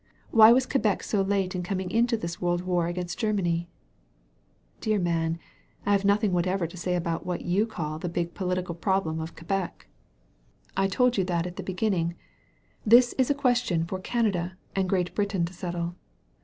Why was Quebec so late in coming into this world war against Grer many?" Dear man, I have nothing whatever to say about what you call the big political problem of Quebec. 179 THE VALLEY OF VISION I told you that at the beginning. That is a quesh tion for Canada and Great Britain to settle.